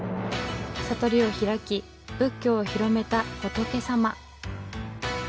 悟りを開き仏教を広めた仏様。